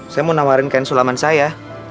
saya mau nawarin kain sulaman saya